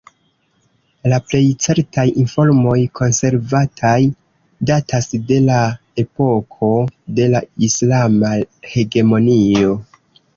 La plej certaj informoj konservataj datas de la epoko de la islama hegemonio.